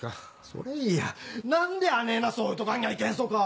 それいや何であねぇなそを置いとかんにゃいけんそか！